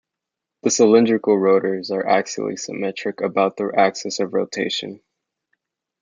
The cylindrical rotors are axially symmetric about the axis of rotation.